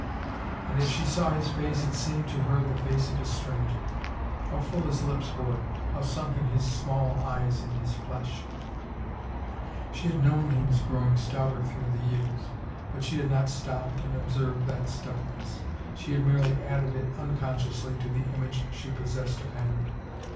And as she saw his face it seemed to her the face of a stranger. How full his lips were, how sunken his small eyes in his flesh ! She had known he was growing stouter through the years, but she had not stopped and ob served that stoutness; she had merely added it uncon sciously to the image she possessed of Henry.